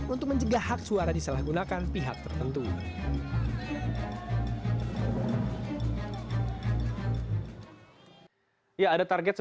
untuk menjaga hak suara disalahgunakan pihak tertentu